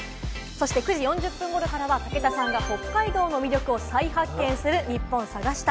９時４０分頃からは武田さんが北海道の魅力を再発見するニッポン探し隊。